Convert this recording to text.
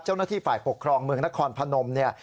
เจ้าหน้าที่ฝ่ายปกครองเมืองนครพนมเนี่ย